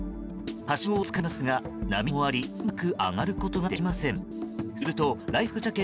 はしごを使いますが、波もありうまく上がることができません。